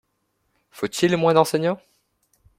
Faut-il moins d’enseignants?